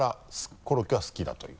コロッケは好きだという。